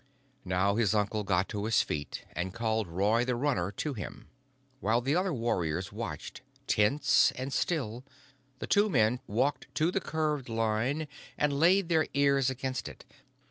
Now his uncle got to his feet and called Roy the Runner to him. While the other warriors watched, tense and still, the two men walked to the curved line and laid their ears against it.